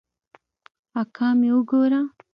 اکا مې وګوره.